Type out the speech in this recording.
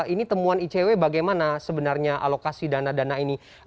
ini temuan icw bagaimana sebenarnya alokasi dana dana ini